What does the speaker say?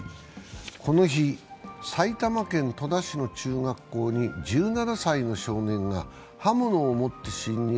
この日、埼玉県戸田市の中学校に１７歳の少年が刃物を持って侵入。